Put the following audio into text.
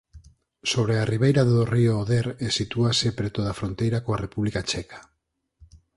Sobre a ribeira do río Oder e sitúase preto da fronteira coa República Checa.